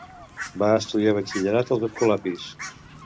Va estudiar batxillerat als escolapis.